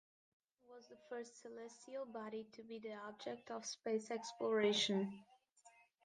The Moon was the first celestial body to be the object of space exploration.